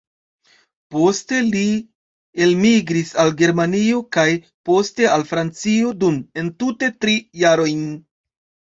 Poste li elmigris al Germanio kaj poste al Francio, dum entute tri jarojn.